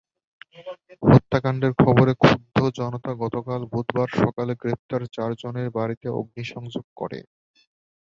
হত্যাকাণ্ডের খবরে ক্ষুব্ধ জনতা গতকাল বুধবার সকালে গ্রেপ্তার চারজনের বাড়িতে অগ্নিসংযোগ করে।